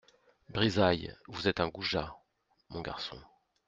Brizailles, vous êtes un goujat, mon garçon.